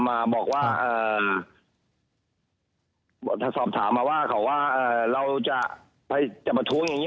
มาบอกว่าเอ่อสอบถามมาว่าเขาว่าเอ่อเราจะไปจะยัง